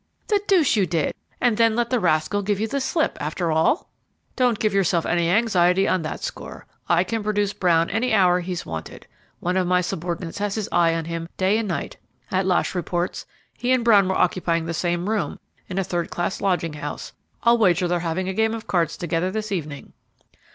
"The deuce you did! and then let the rascal give you the slip, after all!" "Don't give yourself any anxiety on that score; I can produce Brown any hour he's wanted. One of my subordinates has his eye on him day and night. At last reports, he and Brown were occupying the same room in a third class lodging house; I'll wager they're having a game of cards together this evening."